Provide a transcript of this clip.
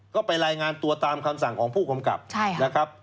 ก็ไปรายงานตัวตามคำสั่งของผู้กำกับนะครับ